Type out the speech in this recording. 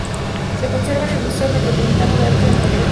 Se conserva en el Museo Metropolitano de Arte de Nueva York.